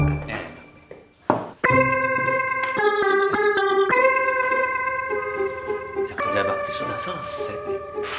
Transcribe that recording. yang pejabat itu sudah selesai